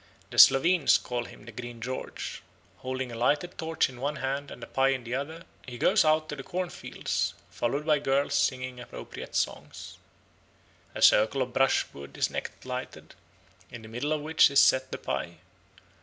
The Slovenes call him the Green George. Holding a lighted torch in one hand and a pie in the other, he goes out to the corn fields, followed by girls singing appropriate songs. A circle of brushwood is next lighted, in the middle of which is set the pie.